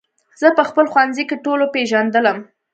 زه په خپل ښوونځي کې ټولو پېژندلم